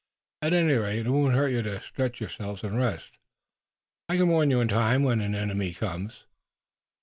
At any rate, it won't hurt you to stretch yourselves and rest. I can warn you in time, when an enemy comes."